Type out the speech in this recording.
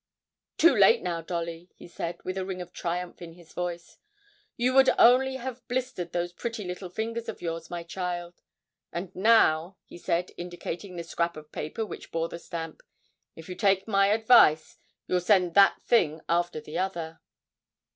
'Too late now, Dolly!' he said, with a ring of triumph in his voice. 'You would only have blistered those pretty little fingers of yours, my child. And now,' he said, indicating the scrap of paper which bore the stamp, 'if you'll take my advice, you'll send that thing after the other.'